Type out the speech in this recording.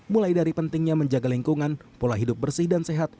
mulai dari pentingnya menjaga lingkungan pola hidup bersih dan sehat